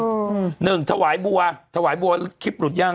อืมหนึ่งถวายบัวถวายบัวคลิปหลุดย่าง